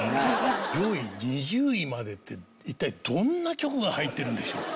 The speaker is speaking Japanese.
２０位までって一体どんな曲が入ってるんでしょう？